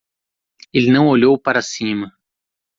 Ele não olhou para cima.